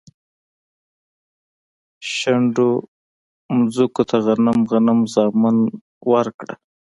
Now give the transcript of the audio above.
و، شنډو مځکوته غنم، غنم زامن ورکړه